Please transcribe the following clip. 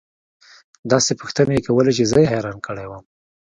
داسې پوښتنې يې كولې چې زه يې حيران كړى وم.